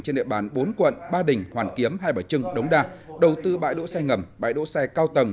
trên địa bàn bốn quận ba đình hoàn kiếm hai bà trưng đống đa đầu tư bãi đỗ xe ngầm bãi đỗ xe cao tầng